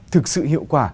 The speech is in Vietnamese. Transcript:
thực sự hiệu quả